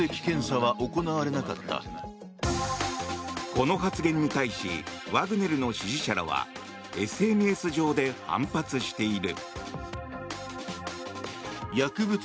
この発言に対しワグネルの支持者らはＳＮＳ上で反発している。